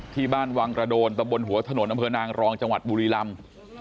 ที่บ้านวังกระโดนตำบลหัวถนนอำเภอนางรองจังหวัดบุรีลำ